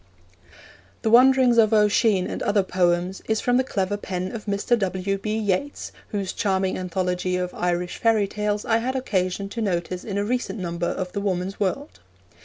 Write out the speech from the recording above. The Wanderings of Oisin and Other Poems is from the clever pen of Mr. W. B. Yeats, whose charming anthology of Irish fairy tales I had occasion to notice in a recent number of the Woman's World.